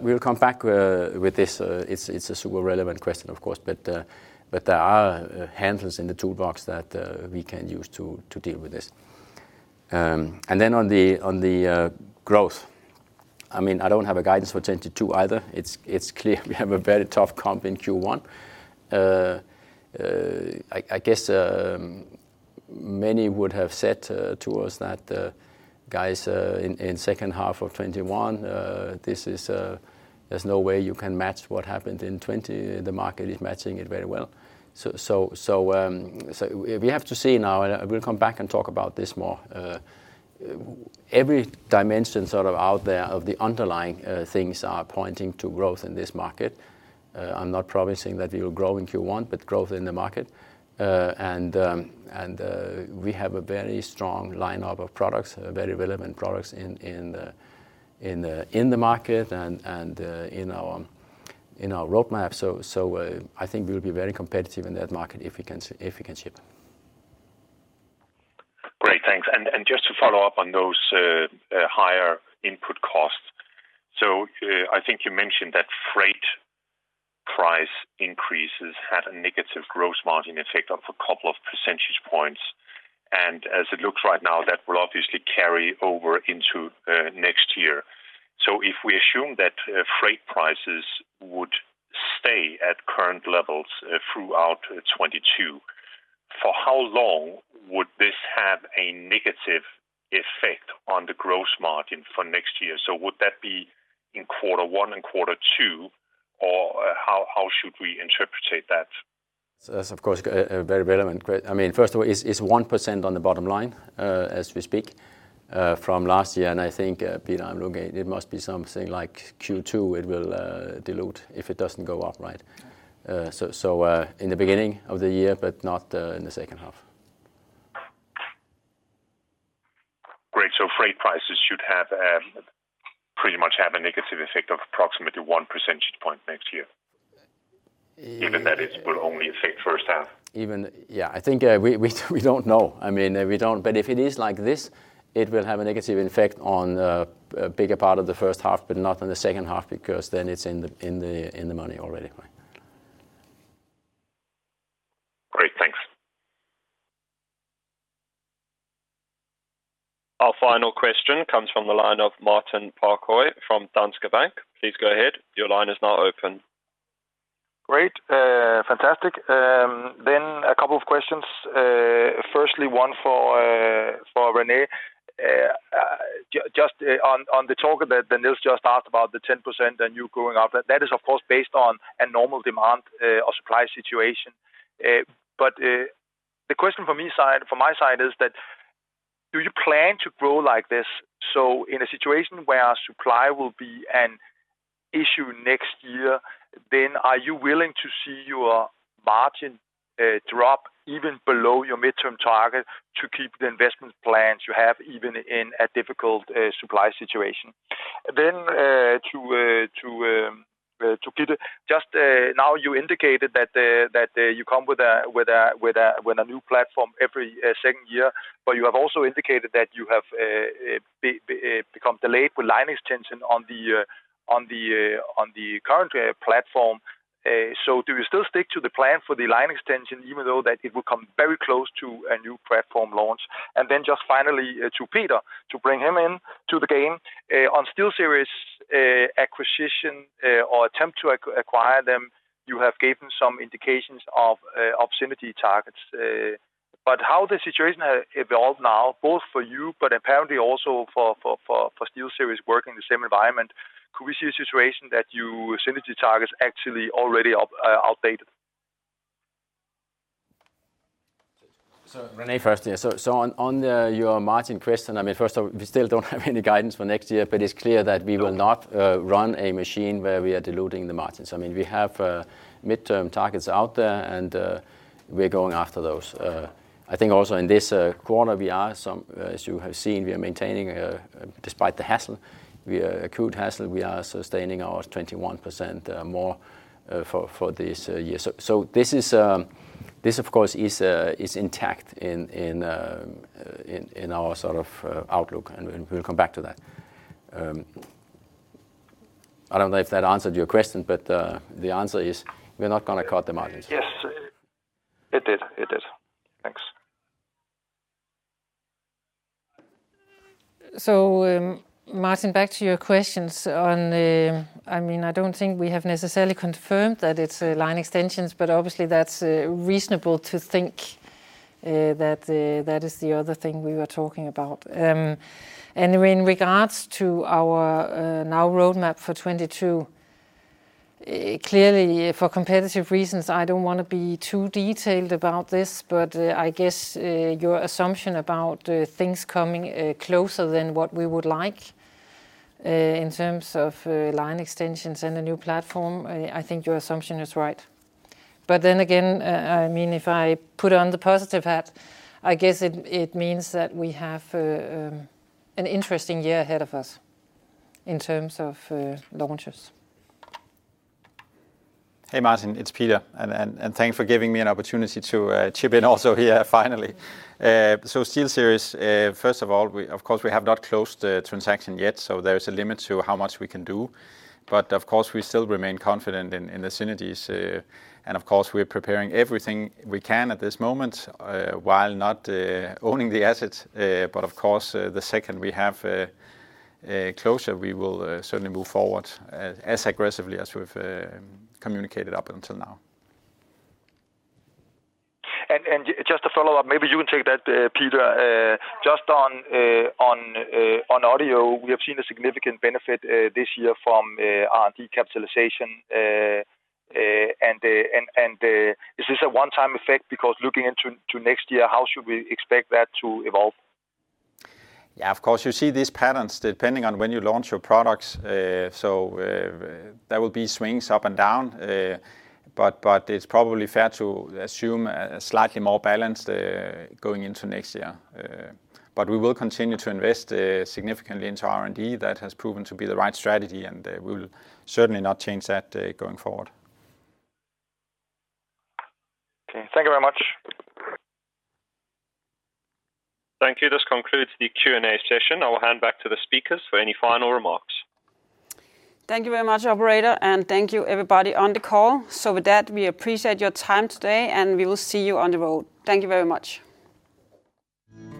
We'll come back with this. It's a super relevant question, of course, but there are handles in the toolbox that we can use to deal with this. I mean, I don't have a guidance for 2022 either. It's clear we have a very tough comp in Q1. Many would have said to us that, guys, in H2 of 2021, there's no way you can match what happened in 2020. The market is matching it very well. We have to see now, and we'll come back and talk about this more. Every dimension sort of out there of the underlying things are pointing to growth in this market. I'm not promising that we will grow in Q1, but growth in the market. We have a very strong lineup of products, very relevant products in the market and in our roadmap. I think we'll be very competitive in that market if we can ship. Great. Thanks. Just to follow up on those higher input costs. I think you mentioned that freight price increases had a negative gross margin effect of a couple of percentage points. As it looks right now, that will obviously carry over into next year. If we assume that freight prices would stay at current levels throughout 2022, for how long would this have a negative effect on the gross margin for next year? Would that be in Q1 and Q2, or how should we interpret that? That's of course a very relevant, I mean, first of all, it's 1% on the bottom line, as we speak, from last year. I think, Peter, I'm looking, it must be something like Q2, it will dilute if it doesn't go up, right? In the beginning of the year, but not in the H2. Great. Freight prices should pretty much have a negative effect of approximately one percentage point next year. Yeah. Even that it will only affect H1. Yeah, I think we don't know. I mean, we don't. But if it is like this, it will have a negative effect on a bigger part of the H1, but not on the H2, because then it's in the money already. Great, thanks. Our final question comes from the line of Martin Parkhøi from Danske Bank. Please go ahead. Your line is now open. Great. Fantastic. A couple of questions. Firstly, one for René. Just on the talk about Niels just asked about the 10% and your growth above. That is of course based on a normal demand or supply situation. The question from my side is, do you plan to grow like this? In a situation where your supply will be an issue next year, are you willing to see your margin drop even below your mid-term target to keep the investment plans you have even in a difficult supply situation? To Peter. Just now you indicated that you come with a new platform every second year, but you have also indicated that you have become delayed with line extension on the current platform. Do you still stick to the plan for the line extension even though that it will come very close to a new platform launch? Then just finally to Peter, to bring him into the game. On SteelSeries acquisition or attempt to acquire them, you have given some indications of opportunity targets. How the situation has evolved now, both for you, but apparently also for SteelSeries working in the same environment, could we see a situation that your synergy targets actually already outdated? René first, here. On your margin question, I mean, first of all, we still don't have any guidance for next year, but it's clear that we will not run a machine where we are diluting the margins. I mean, we have midterm targets out there, and we're going after those. I think also in this quarter, as you have seen, we are maintaining, despite the hassle, we are sustaining our 21% margin for this year. This, of course, is intact in our sort of outlook, and we'll come back to that. I don't know if that answered your question, but the answer is we're not gonna cut the margins. Yes. It did. Thanks. Martin, back to your questions on, I mean, I don't think we have necessarily confirmed that it's line extensions, but obviously that's reasonable to think that is the other thing we were talking about. In regards to our now roadmap for 2022, clearly for competitive reasons, I don't wanna be too detailed about this, but I guess your assumption about things coming closer than what we would like in terms of line extensions and a new platform, I think your assumption is right. Then again, I mean, if I put on the positive hat, I guess it means that we have an interesting year ahead of us in terms of launches. Hey, Martin, it's Peter. Thank you for giving me an opportunity to chip in also here finally. SteelSeries, first of all, we of course have not closed the transaction yet, so there is a limit to how much we can do. We still remain confident in the synergies. Of course, we're preparing everything we can at this moment while not owning the assets. The second we have a closure, we will certainly move forward as aggressively as we've communicated up until now. Just a follow-up, maybe you can take that, Peter. Just on Audio, we have seen a significant benefit this year from R&D capitalization. Is this a one-time effect? Because looking into next year, how should we expect that to evolve? Yeah, of course, you see these patterns depending on when you launch your products. There will be swings up and down. It's probably fair to assume a slightly more balanced going into next year. We will continue to invest significantly into R&D. That has proven to be the right strategy, and we will certainly not change that going forward. Okay. Thank you very much. Thank you. This concludes the Q&A session. I will hand back to the speakers for any final remarks. Thank you very much, operator, and thank you everybody on the call. With that, we appreciate your time today, and we will see you on the road. Thank you very much.